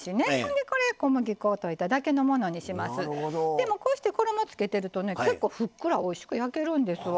でもこうして衣をつけてるとね結構ふっくらおいしく焼けるんですわ。